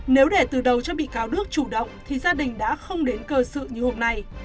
nếu để từ đầu cho bị cáo đức chủ động thì gia đình đã không đến cơ sự như hôm nay